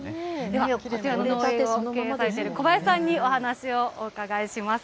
ではこちらの農園を経営されている小林さんにお話をお伺いします。